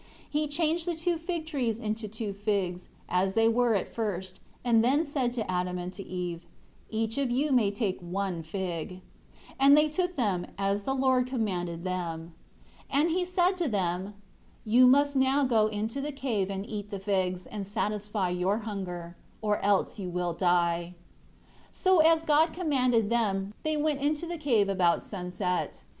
And He changed the two fig trees into two figs, as they were at first, and then said to Adam and to Eve, "Each of you may take one fig." And they took them, as the Lord commanded them. 2 And He said to them, "You must now go into the cave and eat the figs, and satisfy your hunger, or else you will die." 3 So, as God commanded them, they went into the cave about sunset.